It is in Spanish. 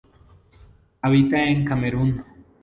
Habita en Camerún.